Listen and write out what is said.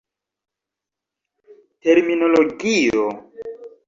Terminologio.